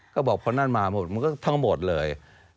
ก็บอกพอนั่นมาหมดมันก็ทั้งหมดเลย